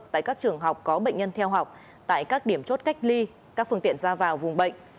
tại các trường học có bệnh nhân theo học tại các điểm chốt cách ly các phương tiện ra vào vùng bệnh